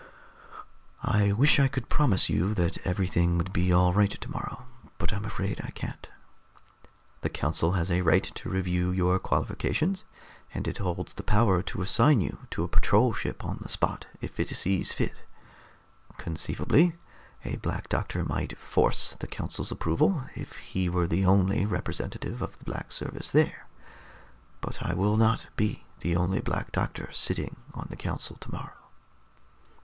"I wish I could promise you that everything would be all right tomorrow, but I'm afraid I can't. The council has a right to review your qualifications, and it holds the power to assign you to a patrol ship on the spot, if it sees fit. Conceivably, a Black Doctor might force the council's approval, if he were the only representative of the Black service there. But I will not be the only Black Doctor sitting on the council tomorrow."